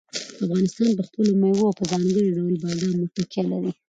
افغانستان په خپلو مېوو او په ځانګړي ډول بادامو تکیه لري.